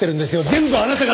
全部あなたが。